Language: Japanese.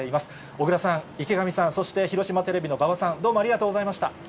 小倉さん、池上さん、そして、広島テレビの馬場さん、どうもありがとうございました。